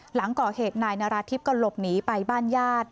หลังก่อเหตุนายนาราธิบก็หลบหนีไปบ้านญาติ